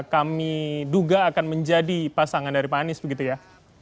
kami duga akan menjadi pasangan dari pak anies begitu ya